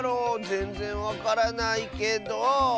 ぜんぜんわからないけど。